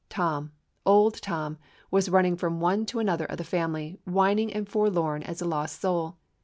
Tom, old Tom, was running from one to another of the family, whining and forlorn as a lost soul.